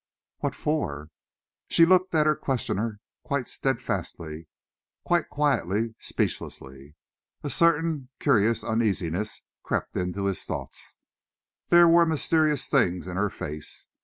"What for?" She looked at her questioner quite steadfastly, quite quietly, speechlessly. A curious uneasiness crept into his thoughts. There were mysterious things in her face.